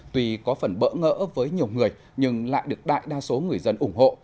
tuy có phần bỡ ngỡ với nhiều người nhưng lại được đại đa số người dân ủng hộ